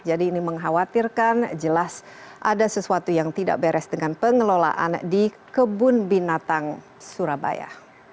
jadi ini mengkhawatirkan jelas ada sesuatu yang tidak beres dengan pengelolaan di kebun binatang surabaya